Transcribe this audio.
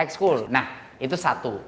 sekolah nah itu satu